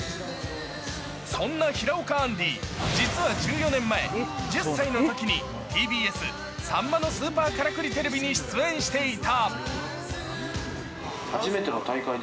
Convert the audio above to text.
そんな平岡アンディ、実は１４年前１０歳のときにＴＢＳ「さんまのＳＵＰＥＲからくりＴＶ」に出演していた。